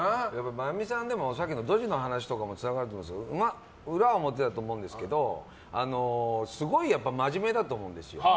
麻由美さん、ドジの話とかにもつながると思いますけど裏表だと思うんですけどすごい真面目だと思うんですよ。